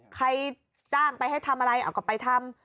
ใครจ้างไปให้ทำอะไรเอากลับไปทำ